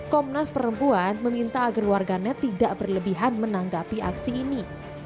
komnas perempuan meminta agar warganet tidak berlebihan menanggapi aksi ini